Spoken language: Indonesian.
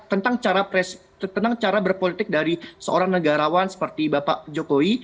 tentang cara berpolitik dari seorang negarawan seperti bapak jokowi